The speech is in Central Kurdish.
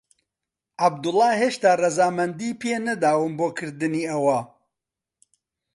عەبدوڵڵا هێشتا ڕەزامەندیی پێ نەداوم بۆ کردنی ئەوە.